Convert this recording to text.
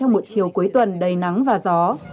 chương trình chiều cuối tuần đầy nắng và gió